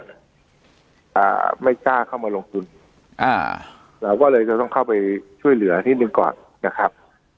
อ่าไม่กล้าเข้ามาลงทุนอ่าเราก็เลยจะต้องเข้าไปช่วยเหลือนิดหนึ่งก่อนนะครับ